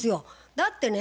だってね